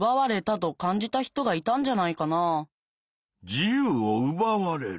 自由をうばわれる。